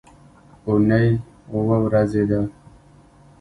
اونۍ اووه ورځې ده